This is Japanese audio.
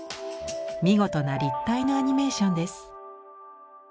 見事な立体のアニメーションです。